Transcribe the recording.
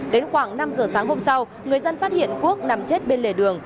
đến khoảng năm giờ sáng hôm sau người dân phát hiện quốc nằm chết bên lề đường